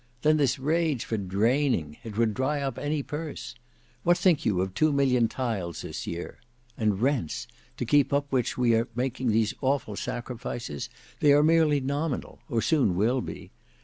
Then this rage for draining; it would dry up any purse. What think you of two million tiles this year? And rents,—to keep up which we are making these awful sacrifices—they are merely nominal, or soon will be.